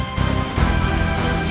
aku akan menang